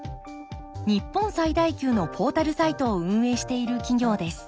日本最大級のポータルサイトを運営している企業です。